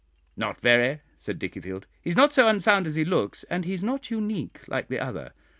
"Not very," said Dickiefield; "he is not so unsound as he looks, and he is not unique, like the other.